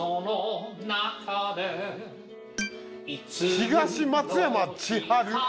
東松山千春？